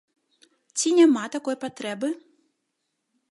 Ці няма такой патрэбы?